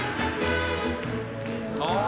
「ああ！